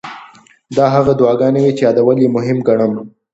دا هغه دعاګانې وې چې یادول یې مهم ګڼم.